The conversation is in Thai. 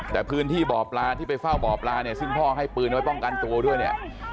แต่พื้นที่บ่อปลาที่ไปเฝ้าบ่อปลาเนี่ยซึ่งพ่อให้ปืนไว้ป้องกันตัวด้วยเนี่ย